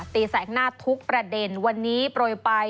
แสกหน้าทุกประเด็นวันนี้โปรยไป